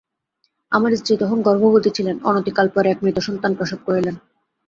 আমার স্ত্রী তখন গর্ভবতী ছিলেন, অনতিকাল পরে এক মৃত সন্তান প্রসব করিলেন।